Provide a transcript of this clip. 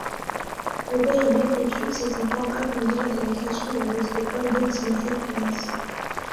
Le périmètre d'étude s'est encore agrandi lors de la création de la Métropole d'Aix-Marseille-Provence.